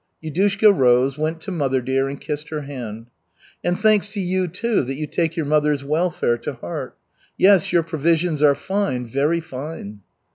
Yudushka rose, went to mother dear and kissed her hand. "And thanks to you, too, that you take your mother's welfare to heart. Yes, your provisions are fine, very fine."